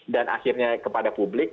dan akhirnya kepada publik